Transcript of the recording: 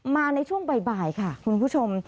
ในช่วงบ่ายค่ะคุณผู้ชม